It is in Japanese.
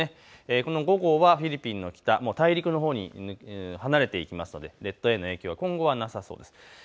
この５号はフィリピンの北大陸のほうに離れていきますので列島への影響は今後はなさそうです。